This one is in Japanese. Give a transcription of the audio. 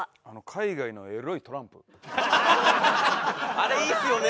あれいいっすよね。